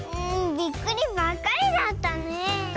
びっくりばっかりだったねえ。